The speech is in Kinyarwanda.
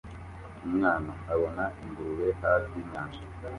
Umwana abona ingurube hafi yinyanja